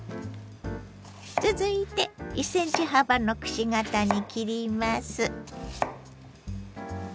続いて１ｃｍ幅のくし形に切ります。